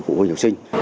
phụ huynh học sinh